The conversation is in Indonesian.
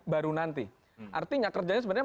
baru nanti artinya kerjanya sebenarnya